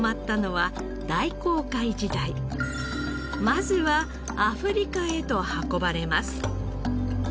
まずはアフリカへと運ばれます。